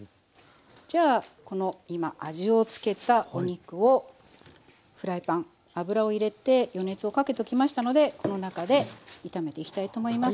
じゃあこの今味をつけたお肉をフライパン油を入れて予熱をかけときましたのでこの中で炒めていきたいと思います。